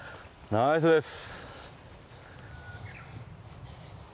ナイスです！